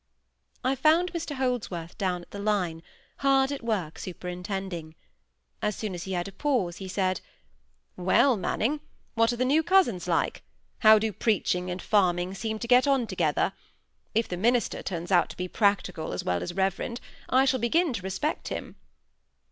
I found Mr Holdsworth down at the line, hard at work superintending. As soon as he had a pause, he said, "Well, Manning, what are the new cousins like? How do preaching and farming seem to get on together? If the minister turns out to be practical as well as reverend, I shall begin to respect him."